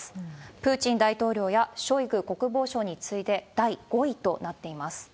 プーチン大統領やショイグ国防相に次いで、第５位となっています。